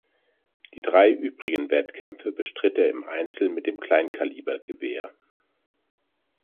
Die drei übrigen Wettkämpfe bestritt er im Einzel mit dem Kleinkalibergewehr.